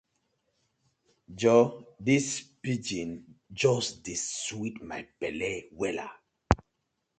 Joor dis pidgin just dey sweet my belle wella.